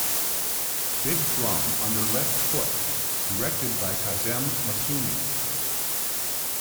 "Big Drum Under Left Foot" directed by Kazem Masoumi.